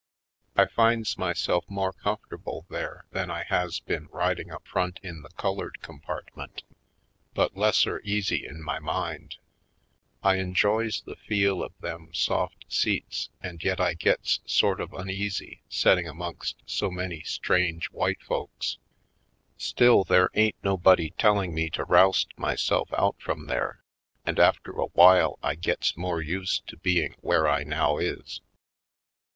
I finds myself more comfort able there than I has been riding up front in the colored compartment, but lesser easy in my mind. I enjoys the feel of them soft seats and yet I gets sort of uneasy setting amongst so many strange white folks. Still, there ain't nobody telling me to roust my self out from there and after a while I gets more used to being where I now is.